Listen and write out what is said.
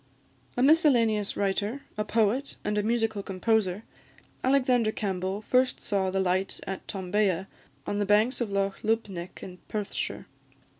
A miscellaneous writer, a poet, and a musical composer, Alexander Campbell first saw the light at Tombea, on the banks of Loch Lubnaig, in Perthshire.